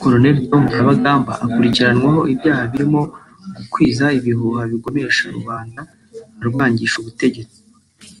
Col Tom Byabagamba akurikiranyweho ibyaha birimo gukwiza ibihuha bigomesha rubanda arwangisha ubutegetsi